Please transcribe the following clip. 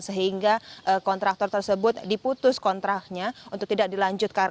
sehingga kontraktor tersebut diputus kontraknya untuk tidak dilanjutkan